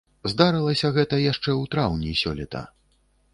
Здарылася гэта яшчэ ў траўні сёлета.